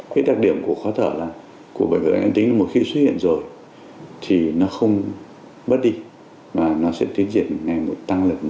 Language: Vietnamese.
cái đặc điểm của khó thở là của bệnh phổi tắc nghẽn mãn tính một khi xuất hiện rồi thì nó không bớt đi mà nó sẽ tí diện ngày một tăng lực lên